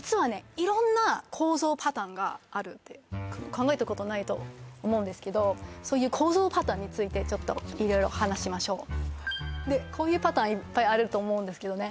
考えたことないと思うんですけどそういう構造パターンについてちょっと色々話しましょうこういうパターンいっぱいあると思うんですけどね